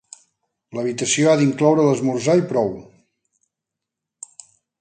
L'habitació ha d'incloure l'esmorzar i prou.